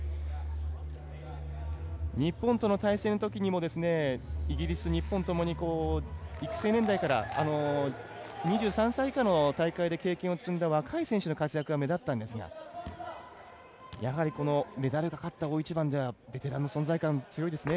日本との対戦のときにもイギリス、日本ともに育成年代から２３歳以下の大会で経験を積んだ若い選手の活躍が目立ったんですがやはりメダルがかかった大一番ではベテランの存在感が強いですね。